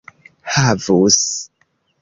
havus